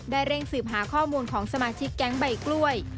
เร่งสืบหาข้อมูลของสมาชิกแก๊งใบกล้วย